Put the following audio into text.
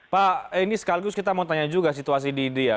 pak ini sekaligus kita mau tanya juga situasi di india